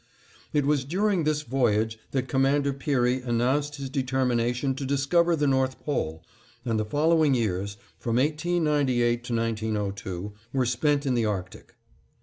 It was during this voyage that Commander Peary announced his determination to discover the North Pole, and the following years (from 1898 to 1902) were spent in the Arctic.